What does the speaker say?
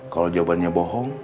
kalau jawabannya bohong